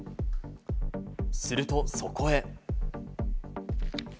するとそこへ。